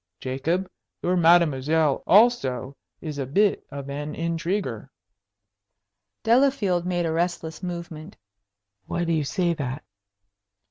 Jacob, your mademoiselle also is a bit of an intriguer!" Delafield made a restless movement. "Why do you say that?"